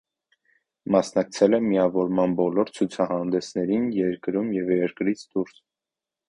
Մասնակցել է միավորման բոլոր ցուցահանդեսներին երկրում և երկրից դուրս։